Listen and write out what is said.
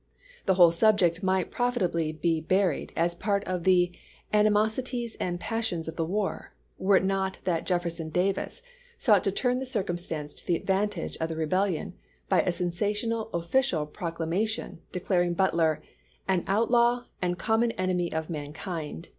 The whole subject might profitably be buried as part of the " animosities and passions of NEW OKLEANS 277 the war," were it not that Jefferson Davis sought to chap. xvi. turn the circumstance to the advantage of the rebel lion by a sensational official proclamation declaring Butler " an outlaw and common enemy of mankind